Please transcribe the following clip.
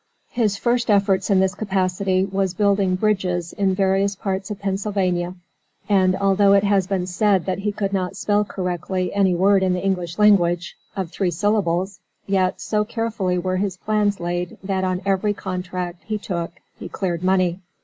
His first efforts in this capacity was building bridges in various parts of Pennsylvania and although it has been said that he could not spell correctly any word in the English language, of three syllables, yet, so carefully were his plans laid that on every contract that he took he cleared money.